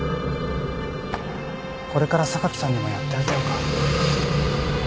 これから榊さんにもやってあげようか？